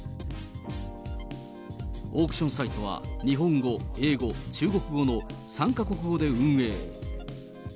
オークションサイトは、日本語、英語、中国語の３か国語で運営。